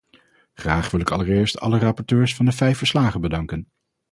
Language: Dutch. Graag wil ik allereerst alle rapporteurs van de vijf verslagen bedanken.